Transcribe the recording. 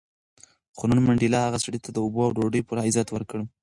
خو نن منډېلا هغه سړي ته د اوبو او ډوډۍ پوره عزت ورکړ.